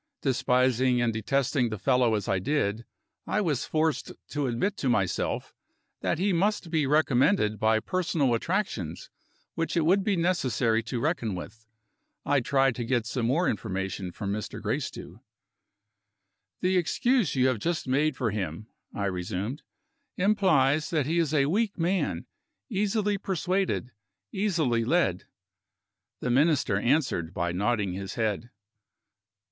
Despising and detesting the fellow as I did, I was forced to admit to myself that he must be recommended by personal attractions which it would be necessary to reckon with. I tried to get some more information from Mr. Gracedieu. "The excuse you have just made for him," I resumed, "implies that he is a weak man; easily persuaded, easily led." The Minister answered by nodding his head.